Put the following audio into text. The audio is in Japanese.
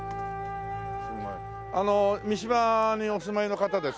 あの三島にお住まいの方ですか？